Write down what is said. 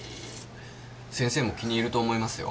先生も気に入ると思いますよ。